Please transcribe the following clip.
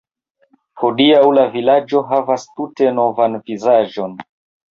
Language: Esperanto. Hodiaŭ la vilaĝo havas tute novan vizaĝon.